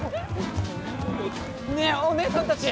ねえ、おねえさんたち！